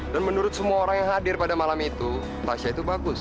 dan menurut semua orang yang hadir pada malam itu tasya itu bagus